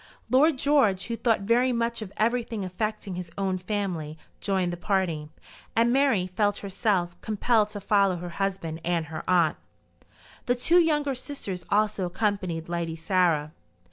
Lord George, who thought very much of everything affecting his own family, joined the party, and Mary felt herself compelled to follow her husband and her aunt. The two younger sisters also accompanied Lady Sarah.